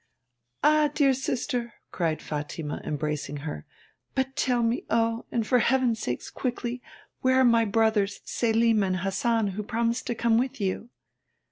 'Ah, dear sister!' cried Fatima, embracing her. 'But tell me, oh, and for Heaven's sake, quickly! where are my brothers Selim and Hassan, who promised to come with you?'